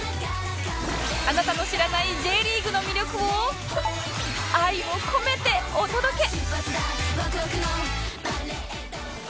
あなたの知らない Ｊ リーグの魅力を愛を込めてお届け！